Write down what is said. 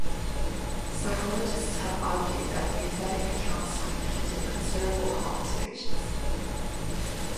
Psychologists have argued that nouthetic counseling can do considerable harm to patients.